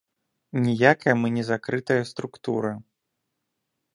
Ніякая мы не закрытая структура.